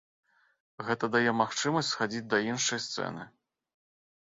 Гэта дае магчымасць схадзіць да іншай сцэны.